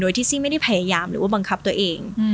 ที่ซี่ไม่ได้พยายามหรือว่าบังคับตัวเอง